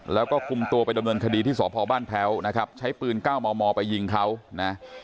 แล้วก็คุมตัวไปดำเนินคดีที่สพบ้านแพ้วนะครับใช้ปืน๙มมไปยิงเขานะ